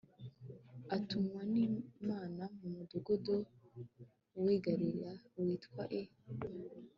atumwa n imana mu mudugudu w i galilaya witwa i